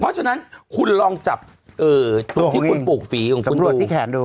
เพราะฉะนั้นคุณลองจับจุดที่คุณปลูกฝีของคุณตรวจที่แขนดู